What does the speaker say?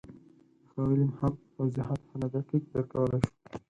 د ښاغلي محق توضیحات هله دقیق درک کولای شو.